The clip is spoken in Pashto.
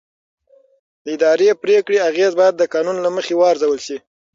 د اداري پرېکړې اغېز باید د قانون له مخې وارزول شي.